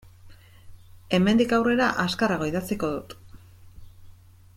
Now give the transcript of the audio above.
Hemendik aurrera azkarrago idatziko dut.